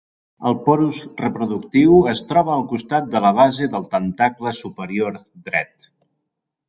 El porus reproductiu es troba al costat de la base del tentacle superior dret.